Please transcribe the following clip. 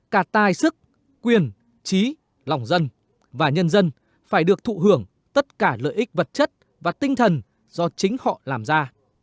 cả tài sức quyền trí lòng dân và nhân dân phải được thụ hưởng tất cả lợi ích vật chất và tinh thần do chính họ làm ra